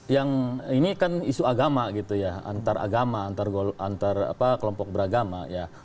yang ini kan isu agama gitu ya antar agama antar kelompok beragama ya